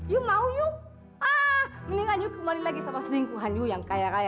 yuu mau yuu ah mendingan yu kembali lagi sama selingkuhan yuu yang kaya kaya